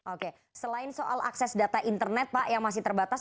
oke selain soal akses data internet pak yang masih terbatas